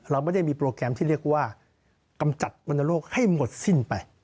เราไม่ได้มีโปรแกรมที่เรียกว่ากำจัดวรรณโลกให้หมดสิ้นไป